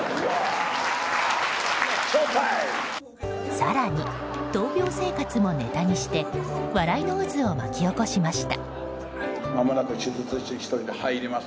更に、闘病生活もネタにして笑いの渦を巻き起こしました。